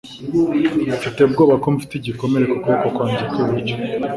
Mfite ubwoba ko mfite igikomere mu kuboko kwanjye kw'iburyo.